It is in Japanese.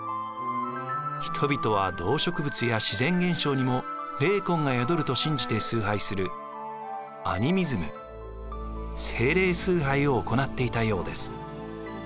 人々は動植物や自然現象にも霊魂が宿ると信じて崇拝するアニミズム精霊崇拝を行っていたようです。